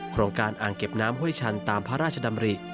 โครงการอ่างเก็บน้ำห้วยชันตามพระราชดำริ